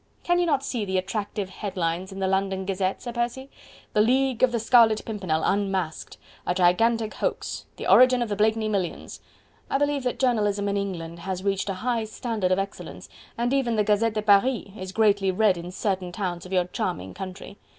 Can you not see the attractive headlines in 'The London Gazette,' Sir Percy? 'The League of the Scarlet Pimpernel unmasked! A gigantic hoax! The origin of the Blakeney millions!'... I believe that journalism in England has reached a high standard of excellence... and even the 'Gazette de Paris' is greatly read in certain towns of your charming country....